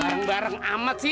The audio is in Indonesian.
barang barang amat sih